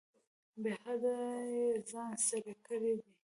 بې حده یې ځان ستړی کړی دی.